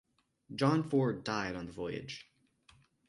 John Ford died on the voyage.